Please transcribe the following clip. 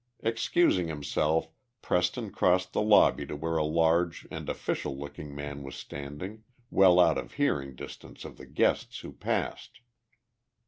Excusing himself, Preston crossed the lobby to where a large and official looking man was standing, well out of hearing distance of the guests who passed.